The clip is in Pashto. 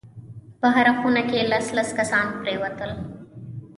په هره خونه کښې لس لس کسان پرېوتل.